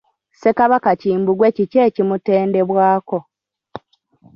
Ssekabaka Kimbugwe kiki ekimutendebwako?